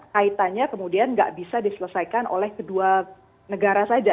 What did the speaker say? kaitannya kemudian nggak bisa diselesaikan oleh kedua negara saja